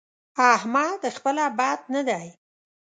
احمد خپله بد نه دی؛